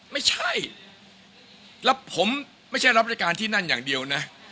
ไม่ใช่แล้วผมไม่ใช่รับรายการที่นั่นอย่างเดียวนะ